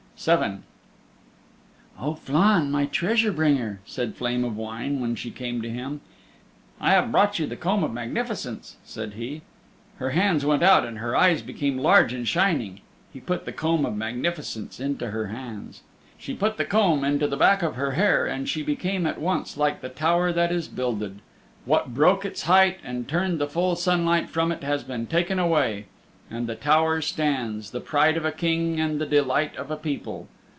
VII "Oh, Flann, my treasure bringer," said Flame of Wine, when she came to him. "I have brought you the Comb of Magnificence," said he. Her hands went out and her eyes became large and shining. He put the Comb of Magnificence into her hands. She put the comb into the back of her hair, and she became at once like the tower that is builded what broke its height and turned the full sunlight from it has been taken away, and the tower stands, the pride of a King and the delight of a people.